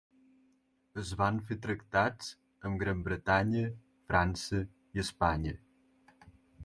Es van fer tractats amb Gran Bretanya, França i Espanya.